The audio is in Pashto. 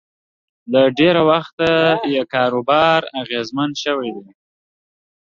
له ډېره وخته یې کاروبار اغېزمن شوی دی